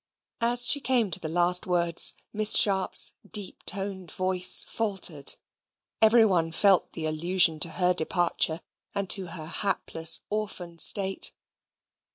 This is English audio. As she came to the last words, Miss Sharp's "deep toned voice faltered." Everybody felt the allusion to her departure, and to her hapless orphan state.